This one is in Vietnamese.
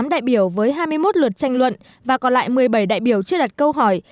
một mươi đại biểu với hai mươi một luật tranh luận và còn lại một mươi bảy đại biểu chưa đặt câu hỏi